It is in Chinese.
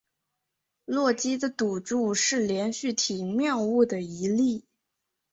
洛基的赌注是连续体谬误的一例。